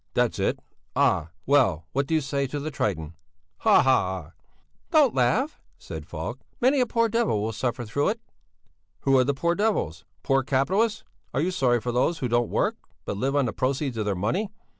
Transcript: That's it! Ah! Well and what do you say to the 'Triton'? Hahaha!" "Don't laugh," said Falk; "many a poor devil will suffer through it." "Who are the poor devils? Poor capitalists? Are you sorry for those who don't work, but live on the proceeds of their money?